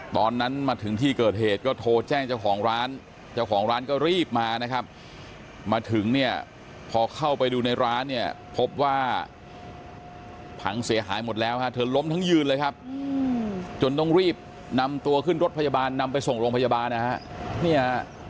ตอนนั้นมาถึงที่เกิดเหตุก็โทรแจ้งเจ้าของร้านเจ้าของร้านก็รีบมานะครับมาถึงเนี่ยพอเข้าไปดูในร้านเนี่ยพบว่าพังเสียหายหมดแล้วฮะเธอล้มทั้งยืนเลยครับจนต้องรีบนำตัวขึ้นรถพยาบาลนำไปส่งโรงพยาบาลนะฮะ